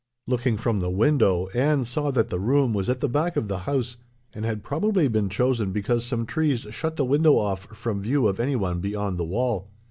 "Looking from the window, Anne saw that the room was at the back of the house, and had probably been chosen because some trees shut the window off from view of anyone beyond the wall.